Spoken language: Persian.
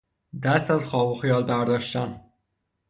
دست از خواب و خیال برداشتن